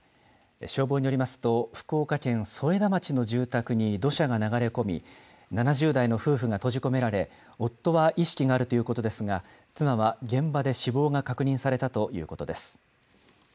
消防によりますと、福岡県添田町の住宅に土砂が流れ込み、７０代の夫婦が閉じ込められ、夫は意識があるということですが、妻は現場で死亡が確認されたということです。